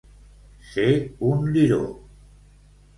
Ser un liró.